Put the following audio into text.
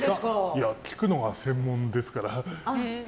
聴くのが専門ですから。